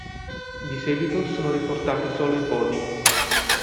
Di seguito sono riportati solo i podi.